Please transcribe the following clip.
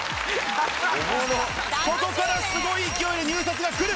ここからすごい勢いで入札が来る。